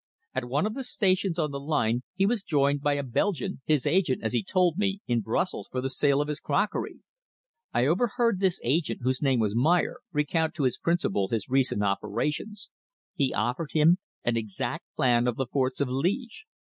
At one of the stations on the line he was joined by a Belgian, his agent, as he told me, in Brussels for the sale of his crockery. I overheard this agent, whose name was Meyer, recount to his principal his recent operations. He offered him an exact plan of the forts of Liège.